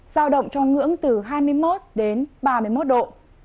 giao động trong ngưỡng từ hai mươi một đến ba mươi một độ